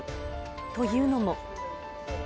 というのも。